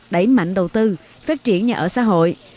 đẩy mạnh đầu tư phát triển nhà ở xã hội